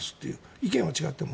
意見は違っても。